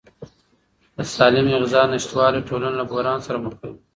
د سالمې غذا نشتوالی ټولنه له بحران سره مخ کوي.